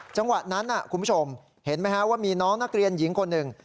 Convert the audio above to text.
จังหวะนั้นคุณผู้ชมเห็นไหมฮะว่ามีน้องนักเรียนหญิงคนหนึ่ง